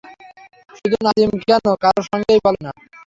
শুধু নাজিম কেন, কারো সঙ্গেই বলেন না।